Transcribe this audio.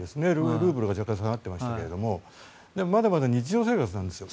ルーブルが若干下がってましたけれどもまだまだ日常生活なんですよ。